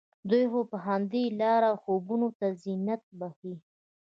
دوی خو په همدې لاره خوبونو ته زينت بښي